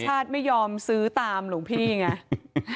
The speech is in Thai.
ญาติไม่ยอมซื้อตามหลวงพี่ไง